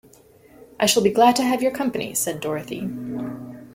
"I shall be glad to have your company," said Dorothy.